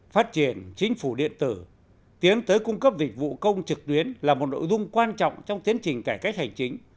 phát triển chính phủ điện tử tiến tới cung cấp dịch vụ công trực tuyến là một nội dung quan trọng trong tiến trình cải cách hành chính